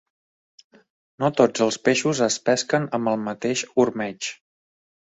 No tots els peixos es pesquen amb el mateix ormeig.